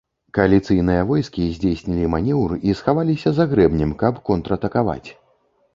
Кааліцыйныя войскі здзейснілі манеўр і схаваліся за грэбнем, каб контратакаваць.